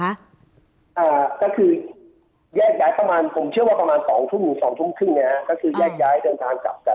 ก็คือแยกย้ายประมาณ๒ทุ่ม๒ทุ่มครึ่งก็คือแยกย้ายเดินทางกลับกัน